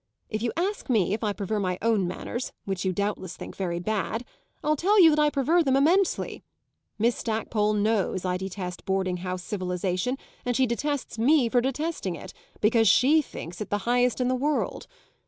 If you ask me if I prefer my own manners, which you doubtless think very bad, I'll tell you that I prefer them immensely. Miss Stackpole knows I detest boarding house civilisation, and she detests me for detesting it, because she thinks it the highest in the world.